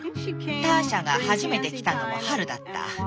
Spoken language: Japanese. ターシャが初めて来たのも春だった。